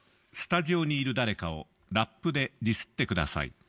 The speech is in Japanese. スタジオにいる誰かをラップでディスってください。